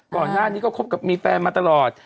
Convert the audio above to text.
ก่อนหน้านี้ก็คบกับมีแฟนมาตลอด